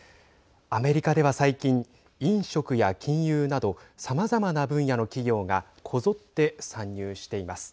アメリカでは最近、飲食や金融などさまざまな分野の企業がこぞって参入しています。